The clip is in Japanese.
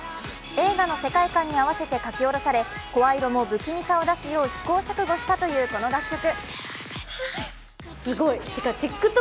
映画の世界観に合わせて書き下ろされ、声色も不気味さを出すよう試行錯誤したというこの楽曲。